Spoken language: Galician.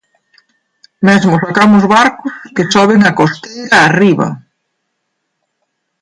Mesmo sacamos barcos que soben a costeira arriba.